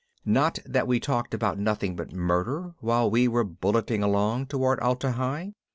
Not that we talked about nothing but murder while we were bulleting along toward Atla Hi.